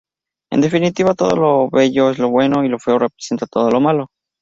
En definitiva, todo lo bello es lo bueno, lo feo representará todo lo malo.